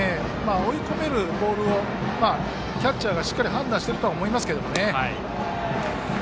追い込めるボールをキャッチャーがしっかり判断しているとは思います。